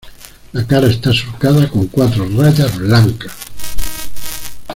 La cara está surcada con cuatro rayas blancas.